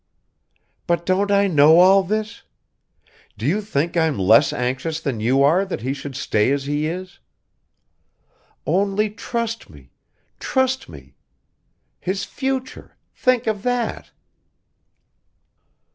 "But don't I know all this? Do you think I'm less anxious than you are that he should stay as he is? Only trust me ... trust me! His future ... think of that...."